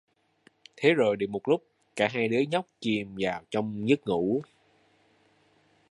Thế rồi được một lúc, cả hai đứa nhóc chìm vào trong giấc ngủ